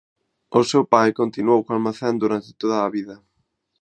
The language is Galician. O seu pai continuou co almacén durante toda a vida.